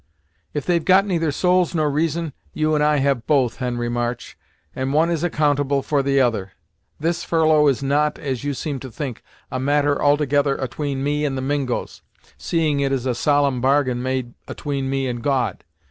"If they've got neither souls nor reason, you and I have both, Henry March, and one is accountable for the other. This furlough is not, as you seem to think, a matter altogether atween me and the Mingos, seeing it is a solemn bargain made atween me and God.